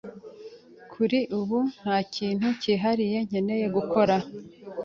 Kuri ubu nta kintu cyihariye nkeneye gukora.